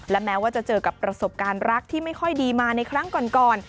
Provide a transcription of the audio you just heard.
และแม้ว่าจะเจอกับประสบการณ์รักที่ไม่ค่อยดีมาในครั้งก่อน